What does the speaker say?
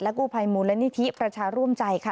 และกูภายมูลและนิทิประชาร่วมใจค่ะ